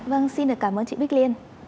vâng xin được cảm ơn chị bích liên